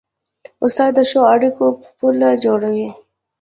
استاد د ښو اړیکو پل جوړوي.